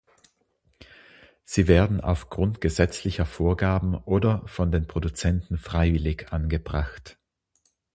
Sie werden aufgrund gesetzlicher Vorgaben oder von den Produzenten freiwillig angebracht.